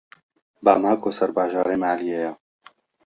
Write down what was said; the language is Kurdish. Bamako serbajarê Maliyê ye.